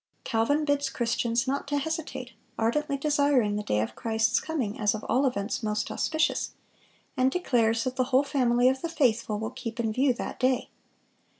Calvin bids Christians "not to hesitate, ardently desiring the day of Christ's coming as of all events most auspicious;" and declares that "the whole family of the faithful will keep in view that day."